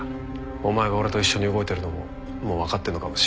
お前が俺と一緒に動いてるのももうわかってるのかもしれねえ。